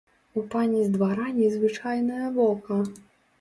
У пані з двара незвычайнае вока.